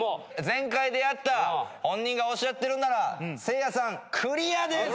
全開でやった本人がおっしゃってるならせいやさんクリアです！